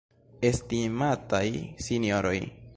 Estimataj sinjoroj!